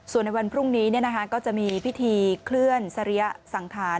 ส่วนในวันพรุ่งนี้ก็จะมีพิธีเคลื่อนสรียสังขาร